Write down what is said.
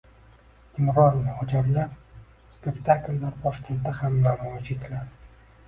“Imon” va “O‘jarlar” spektakllari Toshkentda ham namoyish etiladi